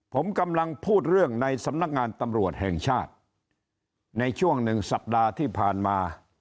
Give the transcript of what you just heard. ผมกำลังพูดเรื่องในสำนักงานตำรวจแห่งชาติในช่วงหนึ่งสัปดาห์ที่ผ่านมา